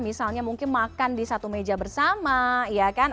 misalnya mungkin makan di satu meja bersama ya kan